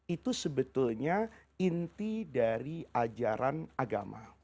itu sebetulnya inti dari ajaran agama